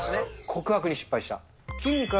告白に失敗した。